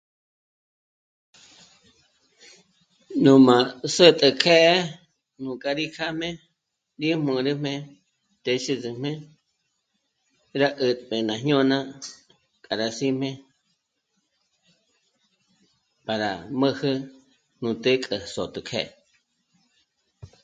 Nú m'á sé'te kjë̌'ë nú kja rí jàm'e rí m'ō̌rojmé téxi ndë̌jmé rá 'ä̀t'pjü ná jñôna k'a rá sí'me para m'ä̂jü nú té'e k'a sé'te kjë̌'ë